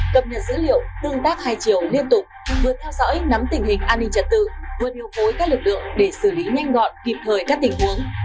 cập nhật dữ liệu tương tác hai chiều liên tục vừa theo dõi nắm tình hình an ninh trật tự vừa điều phối các lực lượng để xử lý nhanh gọn kịp thời các tình huống